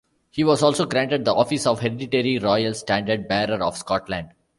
He was also granted the office of Hereditary Royal Standard-Bearer of Scotland.